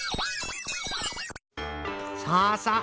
さあさあ